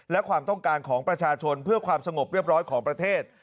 และความต้องการของประชาชนเพื่อความสงบเรียบร้อยของประเทศ